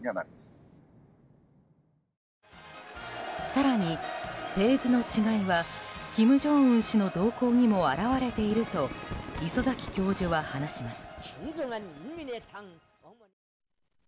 更にフェーズの違いは金正恩氏の動向にも表れていると礒崎教授は話します。